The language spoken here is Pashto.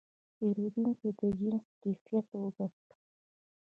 پیرودونکی د جنس کیفیت وکت.